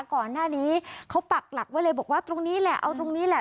ก่อนหน้านี้เขาปักหลักไว้เลยบอกว่าตรงนี้แหละเอาตรงนี้แหละ